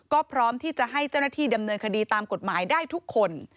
ก็พร้อมที่จะให้เจ้าหน้าที่ดำเนินคดีตามกฎหมายได้ทุกคน